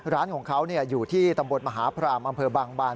ร้านของเขาอยู่ที่ตำบลมหาพรามอำเภอบางบาน